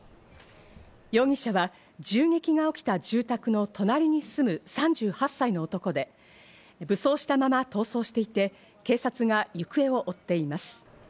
容疑者は銃撃が起きた住宅の隣に住む３８歳の男で、武装したまま逃走していて警察が行方を追っています。